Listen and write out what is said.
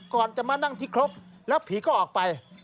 ก่อนจะมานั่งที่ครกแล้วผีก็ออกไป